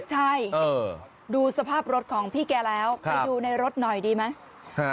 ใช่เออดูสภาพรถของพี่แกแล้วครับไปดูในรถหน่อยดีไหมครับ